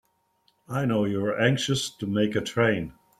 I know you're anxious to make a train.